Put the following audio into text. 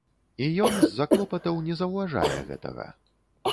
І ён, з-за клопатаў, не заўважае гэтага.